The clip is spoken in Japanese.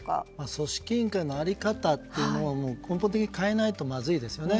組織委員会の在り方を根本的に変えないとまずいですね。